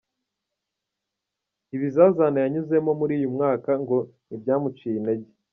Ibizazane yanyuzemo muri uyu mwaka ngo ntibyamuciye intege.